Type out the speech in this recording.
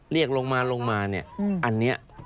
เรียกลงมาลงมาเนี่ยอันนี้